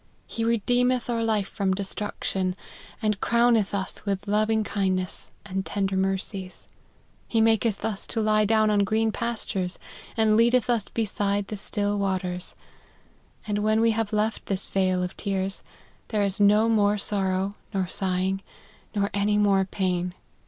He re deemeth our life from destruction, and crowneth us with loving kindness and tender mercies. He maketh us to lie down on the green pastures, and leadeth us beside the still waters. And when we have left this vale of tears, there is no more sorrow, nor sighing, nor any more pain.